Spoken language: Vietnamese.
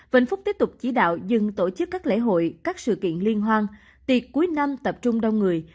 vĩnh phúc tiếp tục chỉ đạo dừng tổ chức các lễ hội các sự kiện liên hoan tiệc cuối năm tập trung đông người